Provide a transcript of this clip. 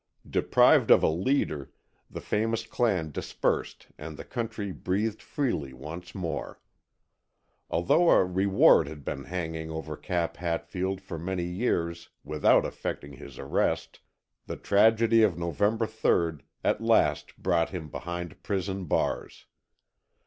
Deprived of a leader, the famous clan dispersed and the country breathed freely once more. Although a reward had been hanging over Cap Hatfield for many years without effecting his arrest, the tragedy of November 3rd, at last brought him behind prison bars.